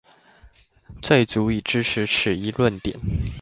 最足以支持此一論點？